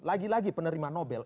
lagi lagi penerima nobel